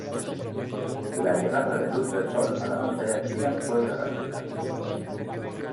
La llegada de Luz del Sol a la pantalla chica fue una casualidad.